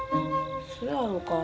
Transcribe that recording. そやろか。